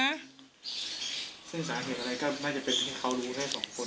สร้างเหตุอะไรก็มักจะเป็นให้เขารู้ให้สองคน